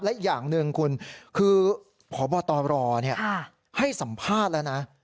และอีกอย่างหนึ่งคุณคือพบตรให้สัมภาษณ์แล้วนะ